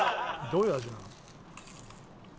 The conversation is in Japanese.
どういう味なの？